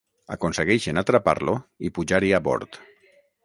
Aconsegueixen atrapar-lo i pujar-hi a bord.